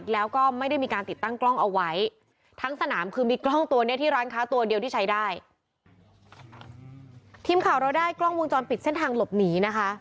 ทีมข่าวเราได้กล้องวงจรปิดเส้นทางหลบหนี